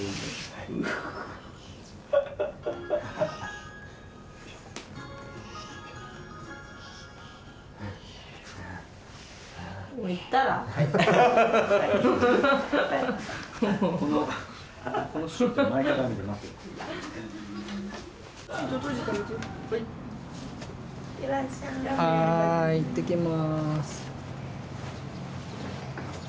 はいいってきます。